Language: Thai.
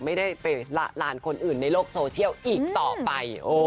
ไม่ได้ไปละลานคนอื่นในโลกโซเชียลอีกต่อไป